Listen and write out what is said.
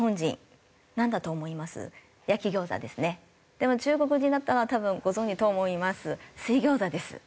でも中国人だったら多分ご存じと思います水餃子です。